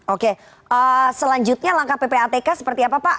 oke selanjutnya langkah ppatk seperti apa pak